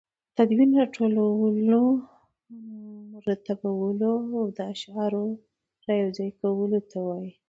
تدوین راټولو، مرتبولو او د اشعارو رايو ځاى کولو ته وايي.